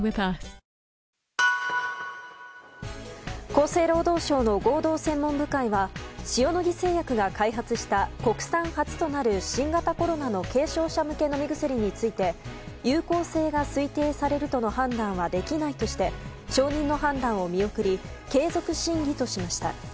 厚生労働省の合同専門部会は塩野義製薬が開発した国産初となる新型コロナの軽症者向け飲み薬について有効性が推定されるとの判断はできないとして承認の判断を見送り継続審議としました。